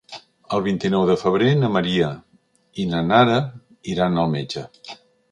El vint-i-nou de febrer na Maria i na Nara iran al metge.